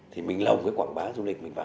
thì mình lồng cứ quảng bá du lịch mình vào